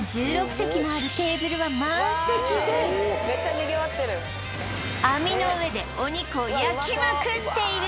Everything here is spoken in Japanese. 席もあるテーブルは満席で網の上でお肉を焼きまくっている！